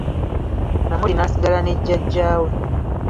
Namuli n'asigala ne jjaja we .